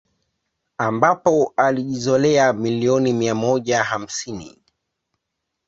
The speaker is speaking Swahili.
Ambapo alijizolea milioni mia moja hamsini